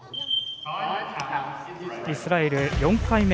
イスラエル、４回目。